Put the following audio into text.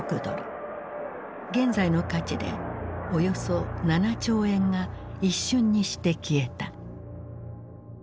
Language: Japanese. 現在の価値でおよそ７兆円が一瞬にして消えた。